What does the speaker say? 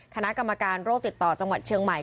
คณะกรรมการโรคติดต่อจังหวัดเชียงใหม่